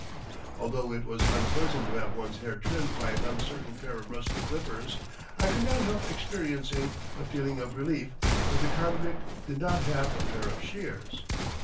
Although it was unpleasant to have one's hair trimmed by an uncertain pair of rusty clippers, I could not help experiencing a feeling of relief that the convict did not have a pair of shears.